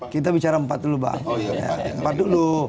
kita bicara empat dulu bang empat dulu